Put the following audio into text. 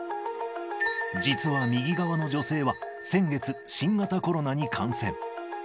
実は右側の女性は、先月、新型コロナに感染。